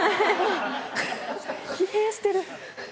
疲弊してる。